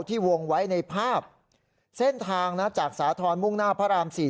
ที่วงไว้ในภาพเส้นทางนะจากสาธารณราชีวามุ่งหน้าพระรามสี่